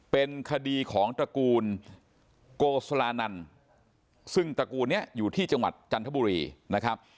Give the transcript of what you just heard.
เป็นคดีของตระกูลโกสลานันซึ่งตระกูลนี้อยู่ที่จังหวัดจันทบุรีนะครับ